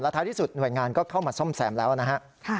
ท้ายที่สุดหน่วยงานก็เข้ามาซ่อมแซมแล้วนะฮะ